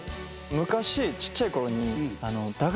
昔小っちゃい頃に。